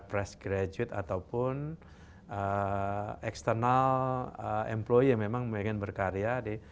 press graduate ataupun eksternal employee yang memang ingin berkarya di